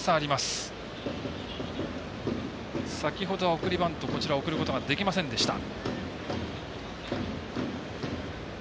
先ほどは送りバント送ることができませんでした。